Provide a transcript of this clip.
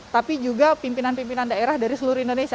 tapi juga pimpinan pimpinan daerah dari seluruh indonesia